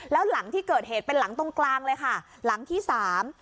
แล้วหลังที่เกิดเหตุเป็นหลังตรงกลางเลยค่ะหลังที่สาม